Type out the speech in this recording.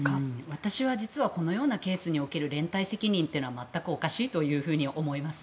私は実はこのようなケースにおける連帯責任は全くおかしいというふうに思います。